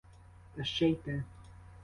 Та ще й те.